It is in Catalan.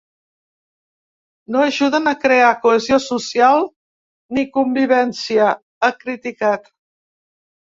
No ajuden a crear cohesió social ni convivència, ha criticat.